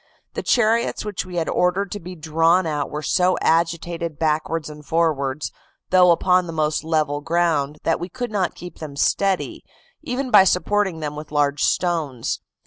The chariots which we had ordered to be drawn out were so agitated backwards and forwards, though upon the most level ground, that we could not keep them steady, even by supporting them with large stones.